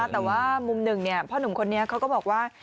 แต่ว่ามุมหนึ่งพ่อหนุ่มคนนี้เขาก็บอกว่า